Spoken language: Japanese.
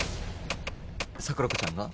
桜子ちゃんが？